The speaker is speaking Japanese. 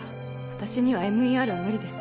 私には ＭＥＲ は無理です